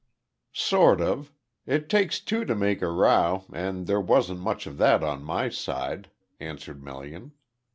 "Sort of. It takes two to make a row, and there wasn't much of that on my side," answered Melian.